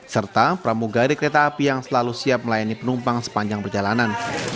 serta pramugari kereta api yang selalu siap melayani penumpang sepanjang perjalanan